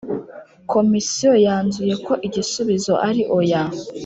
komisiyo yanzuye ko igisubizo ari oya.